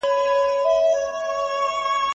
په تېره اوونۍ کې مثبتې پېښې دوه برابره شوې دي.